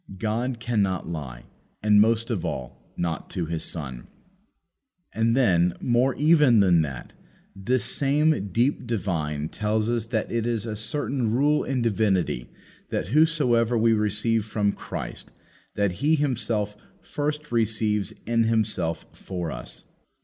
God cannot lie, and, most of all, not to His Son." And, then, more even than that. This same deep divine tells us that it is a certain rule in divinity that, whatsoever we receive from Christ, that He Himself first receives in Himself for us.